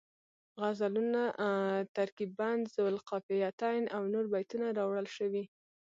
غزلونه، ترکیب بند ذوالقافیتین او نور بیتونه راوړل شوي